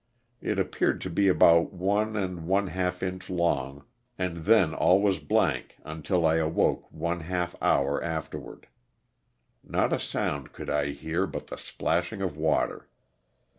It appeared to be about one and one half inch long, and then all was blank until I awoke one half hour after ward. Not a sound could I hear but the splashing of water.